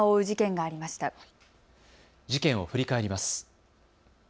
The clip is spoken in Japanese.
事件を振り返ります。